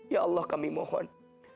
ya allah kami mohon